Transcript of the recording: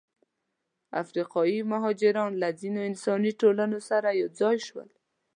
افریقایي مهاجران له ځینو انساني ټولنو سره یوځای شول.